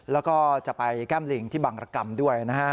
แล้วก็จะไปแก้มลิงที่บังรกรรมด้วยนะฮะ